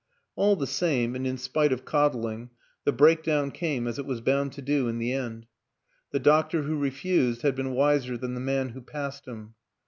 All the same, and in spite of coddling, the breakdown came as it was bound to do in the end; the doctor who refused had been wiser than the man who passed him.